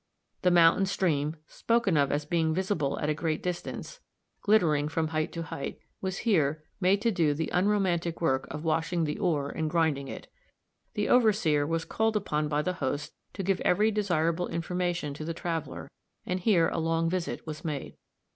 The mountain stream, spoken of as being visible at a great distance, glittering from hight to hight, was here made to do the unromantic work of washing the ore and grinding it. The overseer was called upon by the host to give every desirable information to the traveler, and here a long visit was made.